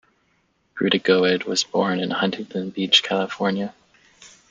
Grootegoed was born in Huntington Beach, California.